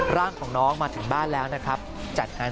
ร่างของน้องมาถึงบ้านแล้วนะครับจัดงาน